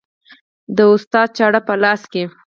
د استاد چاړه په لاس کې